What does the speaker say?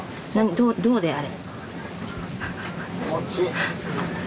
どうであれ。